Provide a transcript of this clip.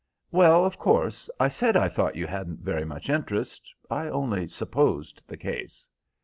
"Well, of course, I said I thought you hadn't very much interest. I only supposed the case."